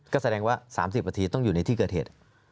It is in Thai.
ก็แสดงว่า๓๐นาทีต้องอยู่ในที่เกิดเหตุ